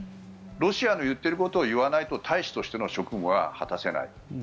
ロシアの言っていることを言わないと大使としての職務は果たせない。